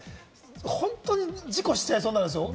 本当に事故しちゃいそうになるんですよ。